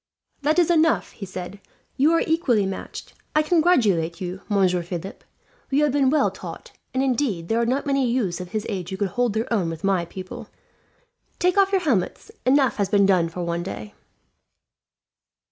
"That is enough," he said. "You are equally matched. "I congratulate you, Monsieur Philip. You have been well taught; and indeed, there are not many youths of his age who could hold their own with my pupil. "Take off your helmets. Enough has been done for one day."